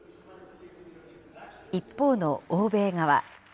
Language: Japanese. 一方の欧米側。